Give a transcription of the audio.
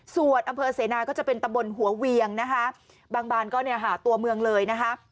ส่วนอำเภอเสนาก็จะเป็นตำบลหัวเวียงบางบานก็หาตัวเมืองเลย